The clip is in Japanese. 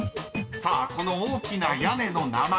［さあこの大きな屋根の名前